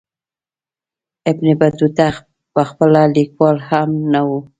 ابن بطوطه پخپله لیکوال هم نه وو.